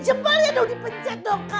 jembalnya dong dipencet dong kak